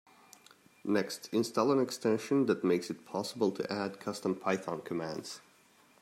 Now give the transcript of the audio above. Next, install an extension that makes it possible to add custom Python commands.